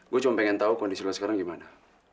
saya cuma ingin tahu kondisi anda sekarang gimana